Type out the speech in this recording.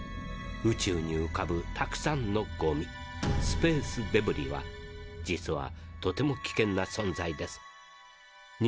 宇宙に浮かぶたくさんのゴミスペースデブリは実はとても危険な存在です。